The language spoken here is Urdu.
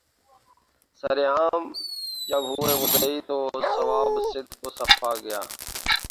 سر عام جب ہوئے مدعی تو ثواب صدق و صفا گیا